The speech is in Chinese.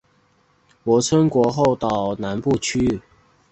泊村国后岛南部区域。